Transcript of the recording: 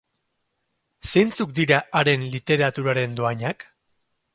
Zeintzuk dira haren literaturaren dohainak?